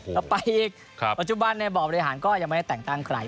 แล้วไปอีกปัจจุบันในบ่อบริหารก็ยังไม่ได้แต่งตั้งใคร